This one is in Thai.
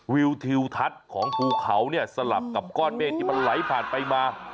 วิวทิวทัศน์ของภูเขาเนี่ยสลับกับก้อนเมฆที่มันไหลผ่านไปมา